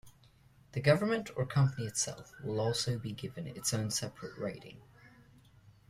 The government or company itself will also be given its own separate rating.